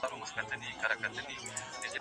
د غوږونو پاکوالي ته پام وکړئ.